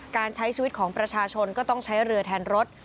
การใช้ชีวิตของประชาชนก็ต้องใช้เรือแทนรถ